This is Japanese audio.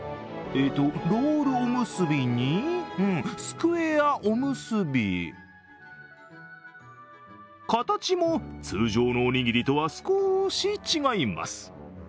ロールおむすびにスクエアおむすび形も通常のおにぎりとは少し違います。